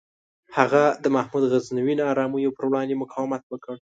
هغه د محمود غزنوي نارامیو پر وړاندې مقاومت وکړ.